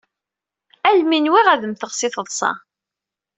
Almi nwiɣ ad mteɣ si teḍṣa.